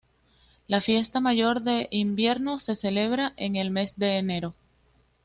La fiesta mayor de invierno se celebra en el mes de enero.